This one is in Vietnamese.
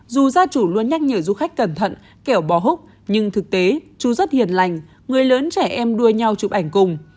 dù gia chủ luôn nhắc nhở du khách cẩn thận kẻo bò húc nhưng thực tế chú rất hiền lành người lớn trẻ em đua nhau chụp ảnh cùng